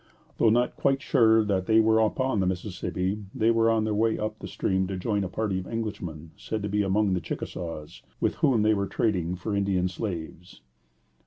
Though not quite sure that they were upon the Mississippi, they were on their way up the stream to join a party of Englishmen said to be among the Chickasaws, with whom they were trading for Indian slaves.